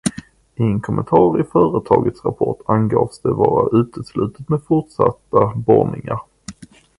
I en kommentar i företagets rapport angavs det vara uteslutet med fortsatta borrningar.